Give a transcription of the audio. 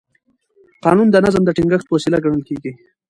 قانون د نظم د ټینګښت وسیله ګڼل کېږي.